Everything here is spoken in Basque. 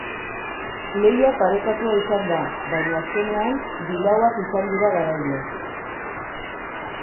Lehia parekatua izan da, baina, azkenean, bilauak izan dira garaile.